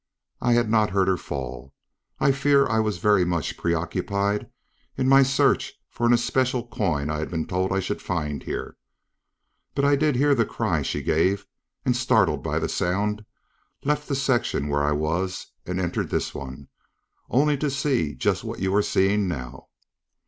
I had not heard her fall I fear I was very much preoccupied in my search for an especial coin I had been told I should find here but I did hear the cry she gave, and startled by the sound, left the section where I was and entered this one, only to see just what you are seeing now."